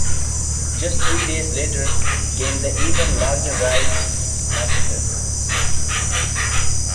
Just three days later came the even larger Rais massacre.